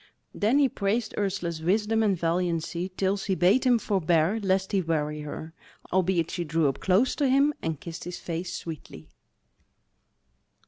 Then he praised Ursula's wisdom and valiancy till she bade him forbear lest he weary her. Albeit she drew up close to him and kissed his face sweetly.